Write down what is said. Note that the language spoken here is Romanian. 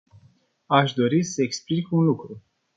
Aș dori să explic un lucru.